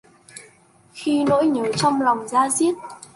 Khi nỗi nhớ trong lòng da diết